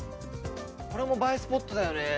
これも映えスポットだよね。